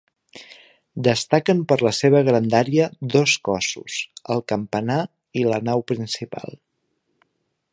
Destaquen per la seva grandària dos cossos: el campanar i la nau principal.